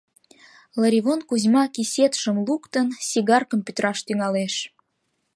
Лыривон Кузьма, кисетшым луктын, сигаркым пӱтыраш тӱҥалеш.